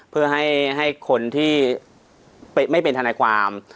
เพื่อให้คนที่ไม่เป็นทนายความ